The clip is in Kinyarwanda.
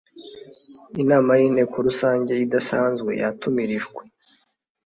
nama y Inteko Rusange idasanzwe yatumirijwe